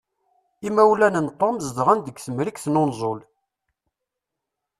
Imawlan n Tom zedɣen deg temrikt n unẓul.